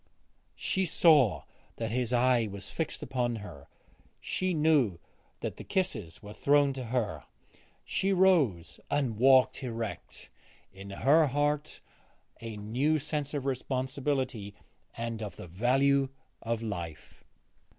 She saw that his eye was fixed upon her; she knew that the kisses were thrown to her. She rose and walked erect, in her heart a new sense of responsibility and of the value of life.